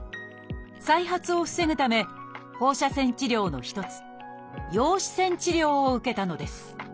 再発を防ぐため放射線治療の一つ「陽子線治療」を受けたのです。